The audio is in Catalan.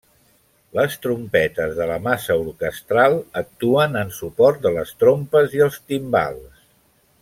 Les trompetes de la massa orquestral actuen en suport de les trompes i els timbals.